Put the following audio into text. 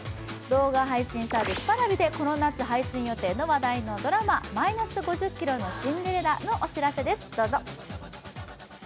動画配信サービスＰａｒａｖｉでこの夏配信予定の話題のドラマ「−５０ｋｇのシンデレラ」のお知らせです、どうぞ。